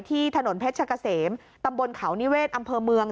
ที่ถนนเพชรกะเสมตำบลเขานิเวศอำเภอเมือง